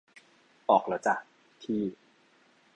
ออกแล้วจ้ะ ที่